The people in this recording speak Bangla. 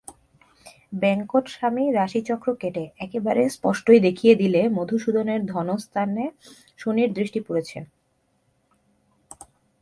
বেঙ্কটস্বামী রাশিচক্র কেটে একেবারে স্পষ্টই দেখিয়ে দিলে মধুসূদনের ধনস্থানে শনির দৃষ্টি পড়েছে।